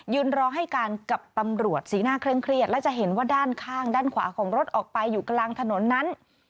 รอให้การกับตำรวจสีหน้าเคร่งเครียดและจะเห็นว่าด้านข้างด้านขวาของรถออกไปอยู่กลางถนนนั้น